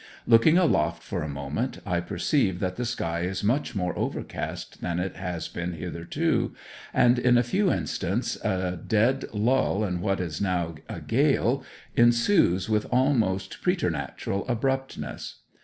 Looking aloft for a moment I perceive that the sky is much more overcast than it has been hitherto, and in a few instants a dead lull in what is now a gale ensues with almost preternatural abruptness.